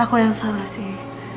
aku yang salah sih